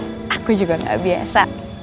aku juga nggak biasa